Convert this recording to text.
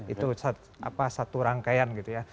itu satu rangkaian gitu ya